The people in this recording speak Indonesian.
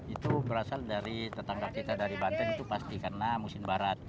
itu berasal dari tetangga kita dari banten itu pasti karena musim barat